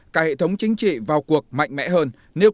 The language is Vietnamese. cả hệ thống chính trị vào cuộc mạnh mẽ hơn